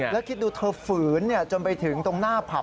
แล้วคิดดูเธอฝืนจนไปถึงตรงหน้าผับ